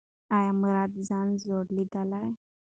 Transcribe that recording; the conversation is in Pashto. ایا مراد ځان زوړ لید؟